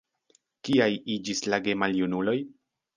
Kiaj iĝis la gemaljunuloj?